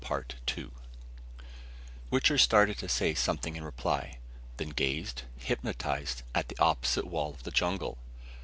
Wichter started to say something in reply, then gazed, hypnotized, at the opposite wall of the jungle.